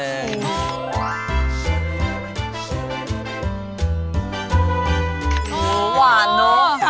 เออวานนก